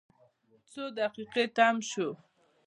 څو دقیقې تم شوو.